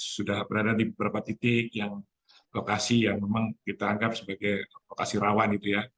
sudah berada di beberapa titik yang lokasi yang memang kita anggap sebagai lokasi rawan gitu ya